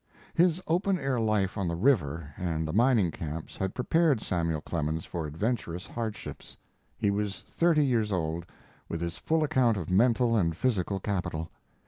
His open air life on the river, and the mining camps, had prepared Samuel Clemens for adventurous hardships. He was thirty years old, with his full account of mental and physical capital.